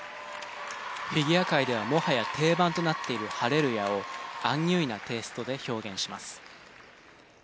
フィギュア界ではもはや定番となっている『ハレルヤ』をアンニュイなテイストで表現します。